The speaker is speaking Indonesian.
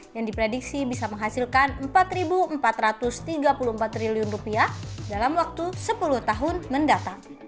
yang diprediksi bisa menghasilkan rp empat empat ratus tiga puluh empat triliun dalam waktu sepuluh tahun mendatang